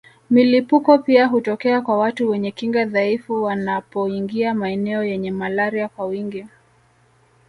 Milipuko pia hutokea kwa watu wenye kinga dhaifu wanapoingia maeneo yenye malaria kwa wingi